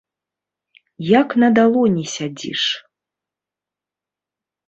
Як на далоні сядзіш.